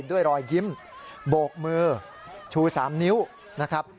ด้วยรอยยิ้มโบกมือชู๓นิ้วนะครับ